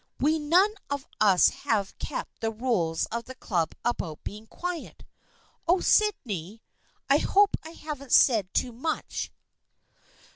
We none of us have kept the rules of the Club about being quiet. Oh, Sydney, I hope I haven't said too much